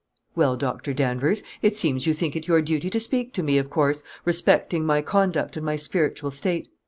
"Well, Doctor Danvers, it seems you think it your duty to speak to me, of course, respecting my conduct and my spiritual state.